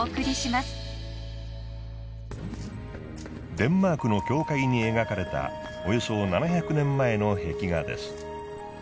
デンマークの教会に描かれたおよそ７００年前の壁画です。